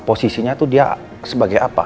posisinya itu dia sebagai apa